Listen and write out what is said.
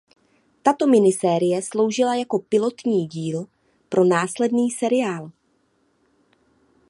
Tato minisérie sloužila jako pilotní díl pro následný seriál.